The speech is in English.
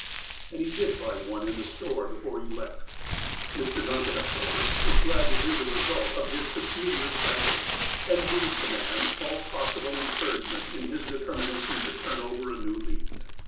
And he did buy one in the store, before he left. Mr. Duncan, of course, was glad to hear the result of his peculiar sentence, and gave the man all possible encour agement in his determination to turn over a new leaf.